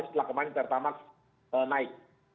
setelah kemarin pertalat naik